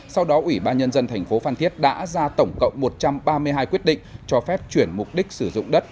sau đó ủy ban nhân dân thành phố phan thiết đã ra tổng cộng một trăm ba mươi hai quyết định cho phép chuyển mục đích sử dụng đất